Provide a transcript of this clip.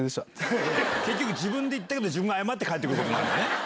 結局自分で行ったけど謝って帰ってくることになるのね。